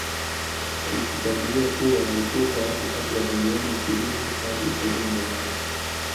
Ikikadiriwa kuwa walikufa watu kati ya milioni ishirini hadi ishirini na nane